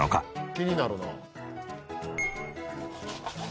「気になるな」